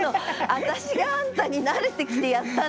私があんたに慣れてきてやったんだから。